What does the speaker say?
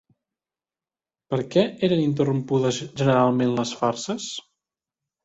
Per què eren interrompudes generalment les farses?